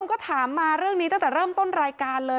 ก็ถามมาเรื่องนี้ตั้งแต่เริ่มต้นรายการเลย